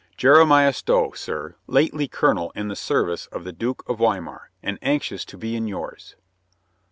"Jeremiah Stow, sir, lately colonel in the service of the Duke of Weimar, and anxious to be in yours."